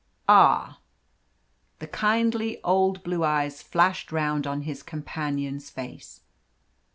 "Ah!" The kindly old blue eyes flashed round on his companion's face.